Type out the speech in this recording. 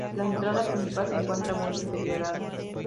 La entrada principal se encuentra muy deteriorada.